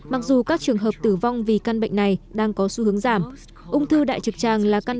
mặc dù các trường hợp tử vong vì căn bệnh này đang có xu hướng giảm ung thư đại trực tràng là căn